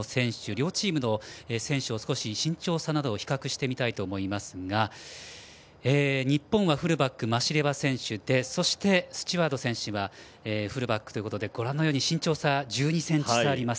両チームの選手を身長差などを比較してみたいと思いますが日本はフルバック、マシレワ選手でそして、スチュワード選手がフルバックということで身長差、１２ｃｍ差あります。